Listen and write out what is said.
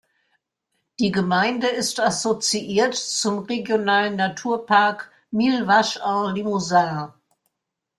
Die Gemeinde ist assoziiert zum Regionalen Naturpark Millevaches en Limousin.